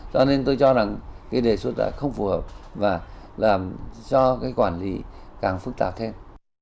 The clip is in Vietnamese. cho nên tôi cho rằng cái đề xuất đã không phù hợp và làm cho cái quản lý càng phức tạp thêm